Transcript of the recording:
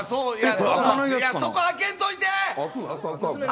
そこ開けんといて！